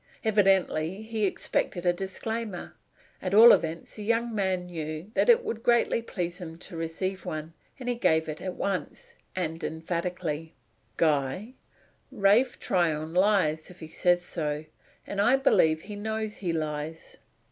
Evidently, he expected a disclaimer. At all events, the young man knew that it would greatly please him to receive one, and he gave it at once, and emphatically. "Guy Ralph Tryon lies if he says so! and I believe he knows he lies!